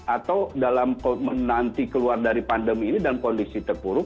atau menanti keluar dari pandemi ini dalam kondisi terburuk